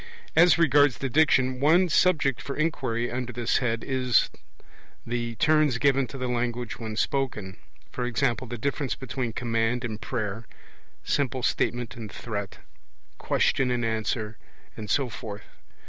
As regards the Diction, one subject for inquiry under this head is the turns given to the language when spoken; e.g. the difference between command and prayer, simple statement and threat, question and answer, and so forth.